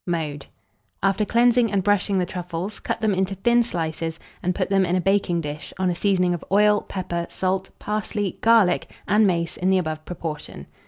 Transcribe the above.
Mode. After cleansing and brushing the truffles, cut them into thin slices, and put them in a baking dish, on a seasoning of oil, pepper, salt, parsley, garlic, and mace in the above proportion.